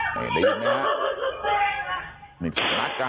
เห็นไหมครับนี่จะนัดกระเห่านี่ครับ